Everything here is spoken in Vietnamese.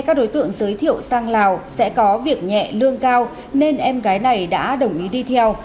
các đối tượng giới thiệu sang lào sẽ có việc nhẹ lương cao nên em gái này đã đồng ý đi theo